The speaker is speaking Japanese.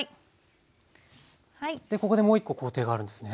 ここでもう一個工程があるんですね。